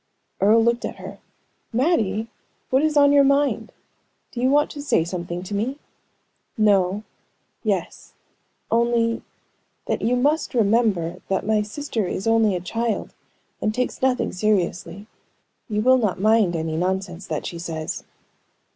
Earle looked at her. "Mattie! What is on your mind? Do you want to say something to me?" "No yes only that you must remember that my sister is only a child, and takes nothing seriously. You will not mind any nonsense that she says."